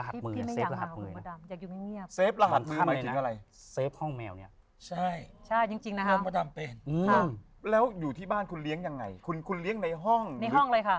ตอนแรกพี่ก็ไม่อยากมาเลยนะคะ